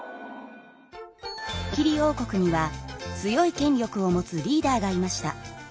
ドキリ王国には強い権力を持つリーダーがいました。